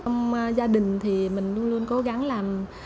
trong gia đình thì mình luôn luôn cố gắng làm